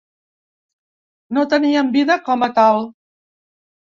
No tenien vida com a tal.